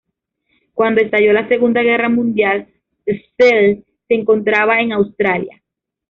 Cuando estalló la Segunda Guerra Mundial, Szell se encontraba en Australia.